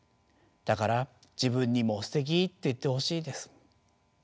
だから自分にも「すてき！」って言ってほしいです。